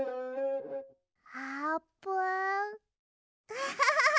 アハハハ